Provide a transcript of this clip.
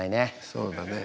そうだね。